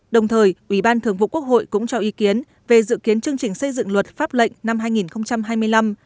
đồng thời ủy ban thường vụ quốc hội cũng cho ý kiến về dự kiến chương trình xây dựng luật pháp lệnh năm hai nghìn hai mươi năm